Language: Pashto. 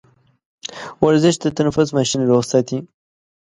ورزش د تنفس ماشين روغ ساتي.